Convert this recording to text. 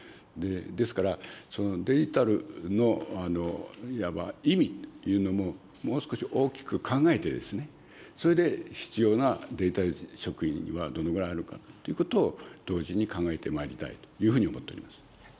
ですから、そのデジタルの、いわば意味というのももう少し大きく考えて、それで必要なデジタル職員はどのぐらいあるかということを同時に考えてまいりたいというふうに思っております。